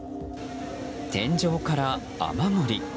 天井から雨漏り。